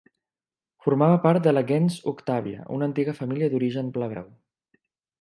Formava part de la gens Octàvia, una antiga família d'origen plebeu.